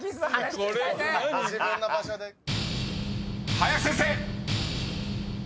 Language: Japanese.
［林先生］